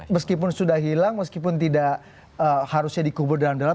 meskipun sudah hilang meskipun tidak harusnya dikubur dalam dalam